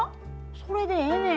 それでええねん。